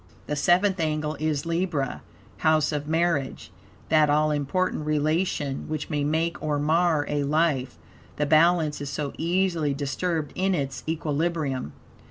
The seventh angle is Libra, House of Marriage; that all important relation which may make or mar a life, the Balance is so easily disturbed in its equilibrium.